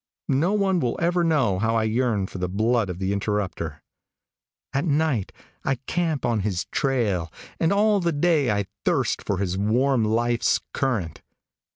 No one will ever know how I yearn for the blood of the interrupter. At night I camp on his trail, and all the day I thirst for his warm life's current.